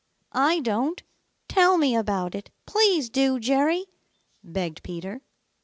"I don't. Tell me about it. Please do, Jerry," begged Peter.